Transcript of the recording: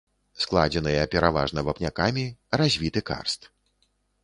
Складзеныя пераважна вапнякамі, развіты карст.